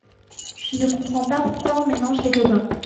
Je ne comprends pas pourquoi on mélange les débats.